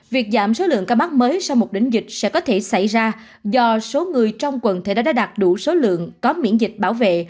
việc giảm số lượng ca mắc mới sau một đỉnh dịch sẽ có thể xảy ra do số người trong quần thể đã đạt đủ số lượng có miễn dịch bảo vệ